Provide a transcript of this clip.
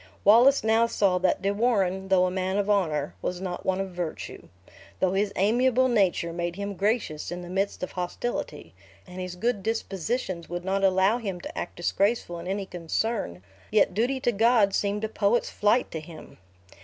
Wallace now saw that De Warenne, though a man of honor, was not one of virtue. Though his amiable nature made him gracious in the midst of hostility, and his good dispositions would not allow him to act disgracefull in any concern, yet duty to God seemed a poet's flight to him.